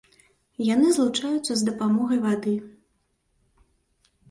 Яны злучаюцца з дапамогай вады.